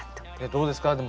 どうですか？